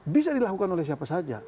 bisa dilakukan oleh siapa saja